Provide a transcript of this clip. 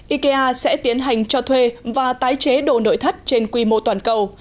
ikea sẽ tiến hành cho thuê và tái chế đồ nội thất trên quy mô toàn cầu